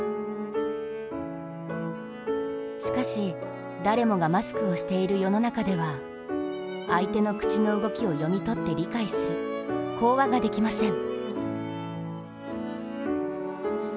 しかし、誰もがマスクをしている世の中では相手の口の動きを読み取って理解する口話ができません。